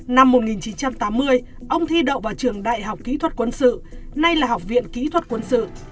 năm một nghìn chín trăm tám mươi ông thi đậu vào trường đại học kỹ thuật quân sự nay là học viện kỹ thuật quân sự